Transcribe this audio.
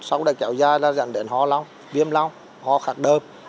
sau đó kéo dai là dẫn đến ho lông viêm lông ho khát đơm